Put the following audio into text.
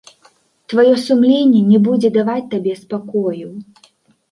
Тваё сумленне не будзе даваць табе спакою.